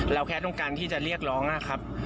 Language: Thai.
แค่ต้องการที่จะเรียกร้องนะครับ